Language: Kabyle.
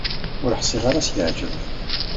Ur ḥṣiɣ ara ad s-yeɛǧeb.